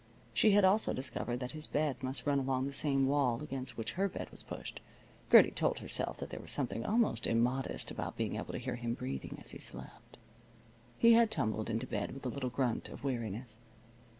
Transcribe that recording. She had also discovered that his bed must run along the same wall against which her bed was pushed. Gertie told herself that there was something almost immodest about being able to hear him breathing as he slept. He had tumbled into bed with a little grunt of weariness.